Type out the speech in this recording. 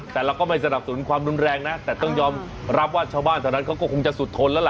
แต่เราก็ไม่สนับสนุนความรุนแรงนะแต่ต้องยอมรับว่าชาวบ้านเท่านั้นเขาก็คงจะสุดทนแล้วล่ะ